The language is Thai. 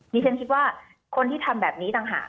ฉันคิดว่าคนที่ทำแบบนี้ต่างหาก